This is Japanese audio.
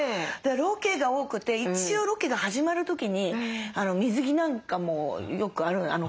ロケが多くて一応ロケが始まる時に水着なんかもよくある。